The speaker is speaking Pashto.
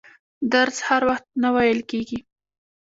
درس هر وخت نه ویل کیږي.